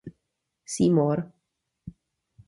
Seymour.